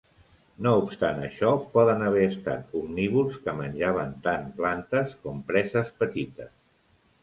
No obstant això, poden haver estat omnívors que menjaven tant plantes com preses petites.